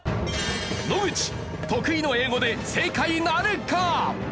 野口得意の英語で正解なるか？